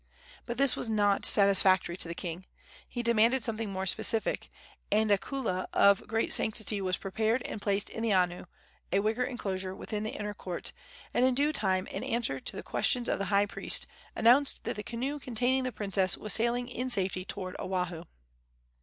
But this was not satisfactory to the king. He demanded something more specific, and a kaula of great sanctity was prepared and placed in the anu, a wicker enclosure within the inner court, and in due time, in answer to the questions of the high priest, announced that the canoe containing the princess was sailing in safety toward Oahu.